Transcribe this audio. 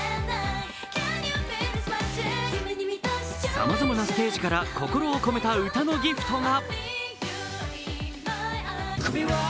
さまざまなステージから心を込めた歌のギフトが。